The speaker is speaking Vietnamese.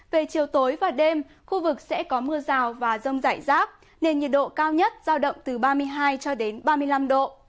về chiều tối và đêm khu vực sẽ có mưa rào và rông rải rác nên nhiệt độ cao nhất giao động từ ba mươi hai cho đến ba mươi năm độ